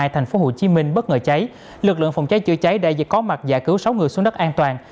thành phố hồ chí minh bất ngờ cháy lực lượng phòng cháy chữa cháy đã có mặt giải cứu sáu người xuống đất an toàn